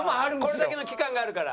これだけの期間があるから。